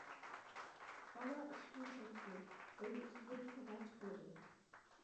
بالا ئىشىكنى چەكتى، ئۆي ئىچىدىن سادا چىقمىدى.